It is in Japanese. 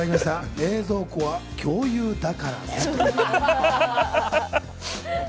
冷蔵庫は共有だから。